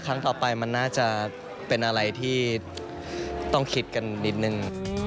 ครั้งต่อไปมันน่าจะเป็นอะไรที่ต้องคิดกันนิดนึง